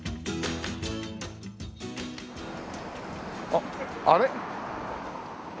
あっあれ？